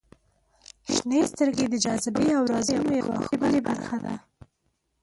• شنې سترګې د جاذبې او رازونو یوه ښکلې برخه ده.